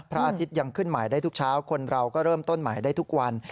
พระอาทิตย์ยังขึ้นใหม่ได้ทุกเช้าคนเราก็เริ่มต้นใหม่ได้ทุกวัน